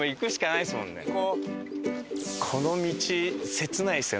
この道切ないですよ。